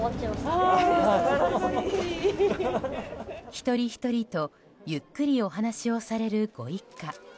一人ひとりとゆっくりお話をされるご一家。